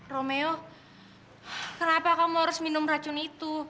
romeo kenapa kamu harus minum racun itu